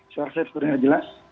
suara saya sudah jelas